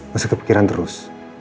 masa kepikiran terus